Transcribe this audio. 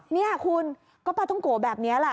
นี่คุณก็ปลาท้องโกะแบบนี้แหละ